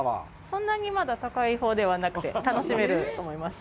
そんなにまだ高いほうではなくて、楽しめると思います。